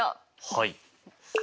はい。